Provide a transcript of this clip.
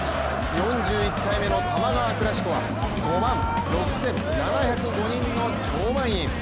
４１回目の多摩川クラシコは５万６７０５人の超満員。